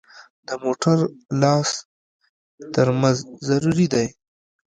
د موټر لاس ترمز ضروري دی.